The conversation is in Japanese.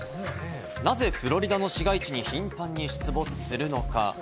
なぜフロリダの市街地に頻繁に出没するのか？